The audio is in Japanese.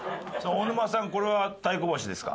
大沼さんこれは大甲橋ですか？